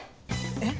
えっ